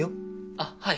あっはい。